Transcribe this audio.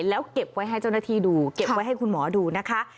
แล้วเก็บไว้ให้เจ้าหน้าที่ดูเก็บไว้ให้คุณหมอดูนะคะ